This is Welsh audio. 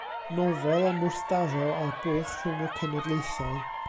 Nofel am wrthdaro a'r bwlch rhwng y cenedlaethau.